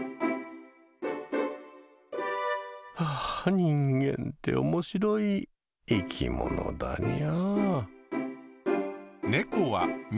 人間って面白い生き物だにゃ。